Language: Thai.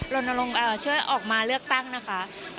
ลงช่วยออกมาเลือกตั้งนะคะ